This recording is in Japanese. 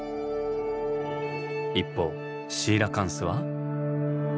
一方シーラカンスは？